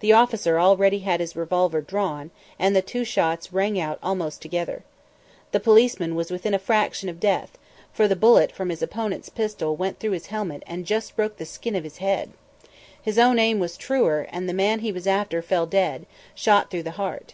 The officer already had his revolver drawn, and the two shots rang out almost together. The policeman was within a fraction of death, for the bullet from his opponent's pistol went through his helmet and just broke the skin of his head. His own aim was truer, and the man he was after fell dead, shot through the heart.